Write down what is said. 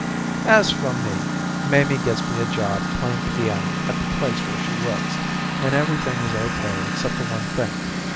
As for me, Mamie gets me a job playing piano at the place where she works, and everything is okay except for one thing.